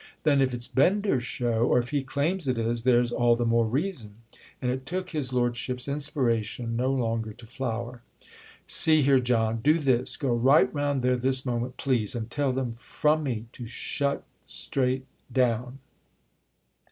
"Then if it's Bender's show, or if he claims it is, there's all the more reason!" And it took his lordship's inspiration no longer to flower. "See here, John—do this: go right round there this moment, please, and tell them from me to shut straight down!"